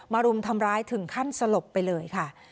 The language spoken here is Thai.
รุมทำร้ายถึงขั้นสลบไปเลยค่ะ